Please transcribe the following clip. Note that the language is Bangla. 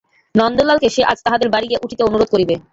নন্দলালকে সে আজ তাহদের বাড়ি গিয়া উঠিতে অনুরোধ করিবে।